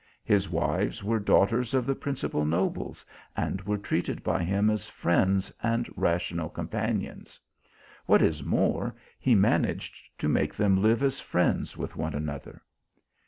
His wives were daughters of the principal nobles, and were treated by him as friends and ra tional companions ; what is more, he managed to make them live as friends with one another.